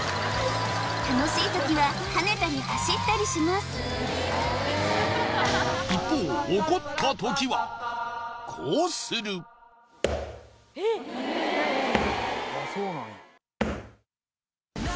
楽しい時は跳ねたり走ったりします一方怒った時はこうする通称足ダン！